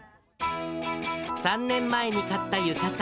３年前に買った浴衣。